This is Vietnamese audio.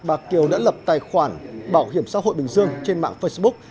bà kiều đã lập tài khoản bảo hiểm xã hội bình dương trên mạng facebook